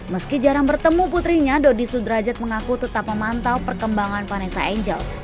meski jarang bertemu putrinya dodi sudrajat mengaku tetap memantau perkembangan vanessa angel